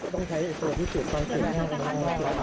หลังจากที่สุดยอดเย็นหลังจากที่สุดยอดเย็น